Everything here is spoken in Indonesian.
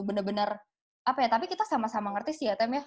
bener bener apa ya tapi kita sama sama ngerti sih ya tammy